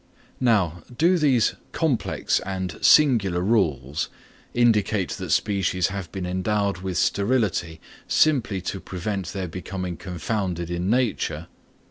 Now do these complex and singular rules indicate that species have been endowed with sterility simply to prevent their becoming confounded in nature?